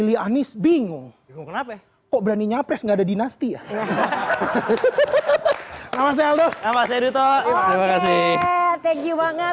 terus bingung kenapa kok beraninya pres enggak ada dinasti ya namanya lho nama saya duto terima kasih